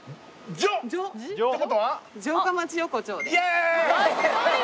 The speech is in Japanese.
城下町横丁！